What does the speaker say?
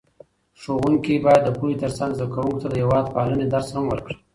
ښوونکي باید د پوهې ترڅنګ زده کوونکو ته د هېوادپالنې درس هم ورکړي.